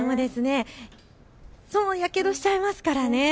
やけどしちゃいますからね。